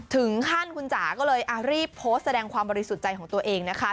ถึงขั้นคุณจ๋าก็เลยรีบโพสต์แสดงความบริสุทธิ์ใจของตัวเองนะคะ